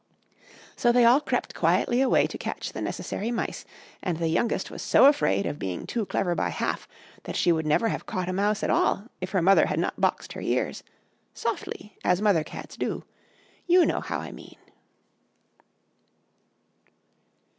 So they all crept quietly away to catch the necessary mice, and the youngest was so afraid of being too clever by half, that she would never have caught a mouse at all, if her mother had not boxed her ears softly, as mother cats do; you know how I mean!